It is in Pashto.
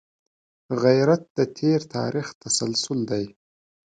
غیرت د تېر تاریخ تسلسل دی